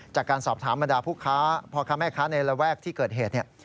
จากการสอบถามบรรดาผู้ค้าพ่อค้าแม่ค้าในระแวกที่เกิดเหตุเนี่ย